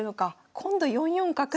今度４四角だと。